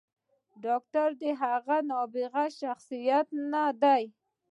“ډاکتر د هغه نابغه شخصياتو نه دے